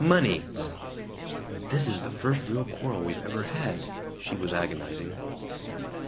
Money!" ("This is the first real quarrel we've ever had," she was agonizing.)